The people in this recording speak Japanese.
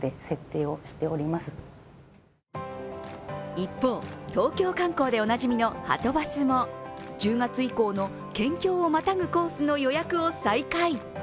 一方、東京観光でおなじみのはとバスも１０月以降の県境をまだくコースの予約を再開。